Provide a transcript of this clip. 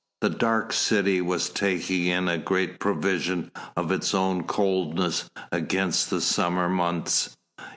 The dark city was taking in a great provision of its own coldness against the summer months.